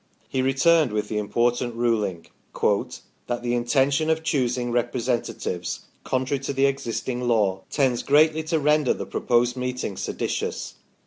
He returned with the important ruling, " that the intention of choosing Representatives, contrary to the existing law, tends greatly to render the proposed meeting seditious